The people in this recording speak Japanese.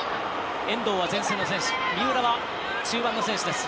遠藤は前線の選手三浦は中盤の選手。